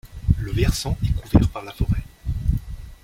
Le versant est couvert par la forêt.